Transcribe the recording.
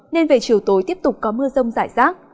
nên về chiều tối tiếp tục có mưa rông rải rác